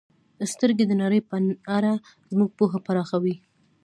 • سترګې د نړۍ په اړه زموږ پوهه پراخوي.